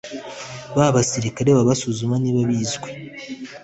ba basirikare baba basuzuma niba bizwi